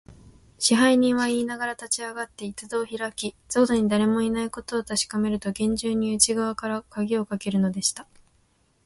支配人はいいながら、立ちあがって、板戸をひらき、外にだれもいないことをたしかめると、げんじゅうに内がわからかぎをかけるのでした。